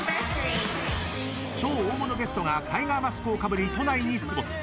超大物ゲストがタイガーマスクをかぶり都内に出没。